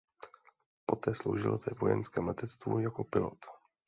Poté sloužil ve vojenském letectvu jako pilot.